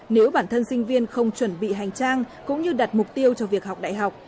nếu bản thân sinh viên không chuẩn bị hành trang cũng như đặt mục tiêu cho việc học đại học